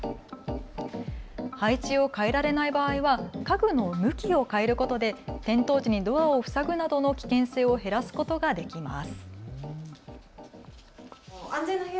配置を変えられない場合は家具の向きを変えることで転倒時、ドアを塞ぐなどの危険性を減らすことができます。